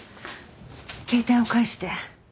携帯を返して。